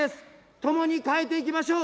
共に変えていきましょう。